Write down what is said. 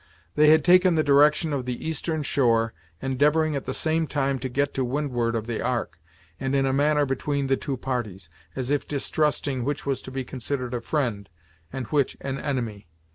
They had taken the direction of the eastern shore, endeavoring at the same time to get to windward of the Ark, and in a manner between the two parties, as if distrusting which was to be considered a friend, and which an enemy.